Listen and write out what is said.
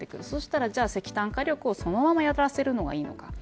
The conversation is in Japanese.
そしたら石炭火力をそのままやらせるのがいいのか。